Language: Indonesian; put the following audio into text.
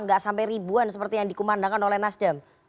nggak sampai ribuan seperti yang dikumandangkan oleh nasdem